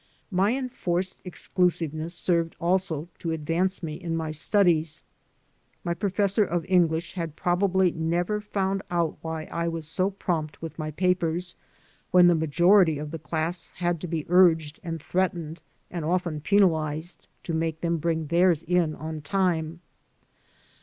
My enforced exclusiveness served, also, to advance me in my studies. My professor of English has prob ably never found out why I was so prompt with my papers, when the majority of the class had to be urged and threatened and often penalized to make them bring theirs in on time.